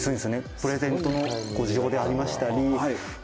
「プレゼントのご需要でありましたり